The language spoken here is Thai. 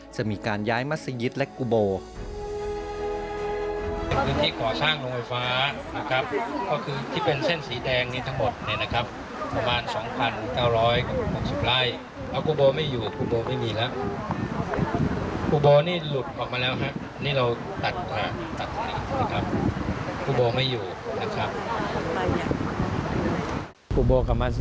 จะมีการย้ายมัศยิตและกุโบ